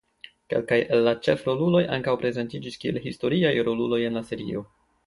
Kelkaj el la ĉefroluloj ankaŭ prezentiĝis kiel historiaj roluloj en la serio.